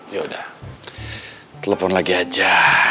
ya udah telepon lagi aja